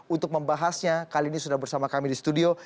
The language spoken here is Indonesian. untuk membahasnya kali ini sudah bersama kami di studio